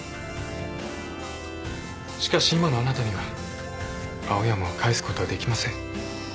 しかし今のあなたには青山を返すことはできません。